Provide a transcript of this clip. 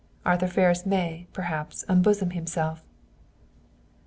Arthur Ferris may, perhaps, unbosom himself!"